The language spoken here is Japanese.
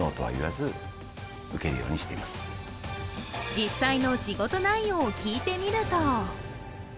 実際の仕事内容を聞いてみるとです